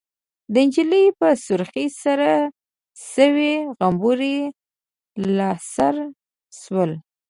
د نجلۍ په سرخۍ سره شوي غومبري لاسره شول.